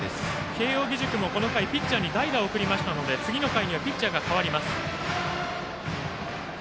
慶応義塾もこの回ピッチャーに代打を送ったので次の回はピッチャーが代わります。